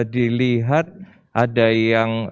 dilihat ada yang